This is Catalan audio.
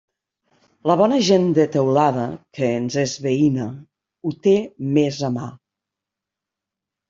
La bona gent de Teulada, que ens és veïna, ho té més a mà.